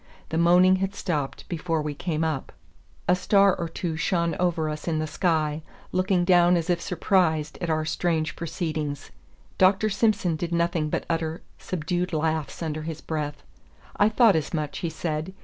The moaning had stopped before we came up; a star or two shone over us in the sky, looking down as if surprised at our strange proceedings. Dr. Simson did nothing but utter subdued laughs under his breath. "I thought as much," he said.